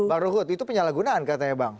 bang ruhut itu penyalahgunaan katanya bang